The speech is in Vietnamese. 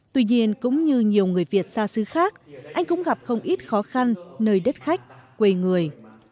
tuy nhiên cũng như nhiều người việt xa xứ khác anh cũng gặp không ít khó khăn nơi đất khách quê người